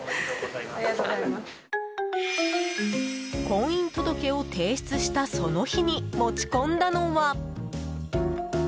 婚姻届を提出したその日に持ち込んだのは。